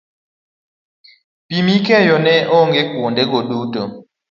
pi mikeyo ne onge kuondego duto